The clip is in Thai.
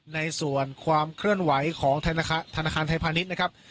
ในส่วนความเคลื่อนไหวของธนาคารไทยพาณิชย์นะครับ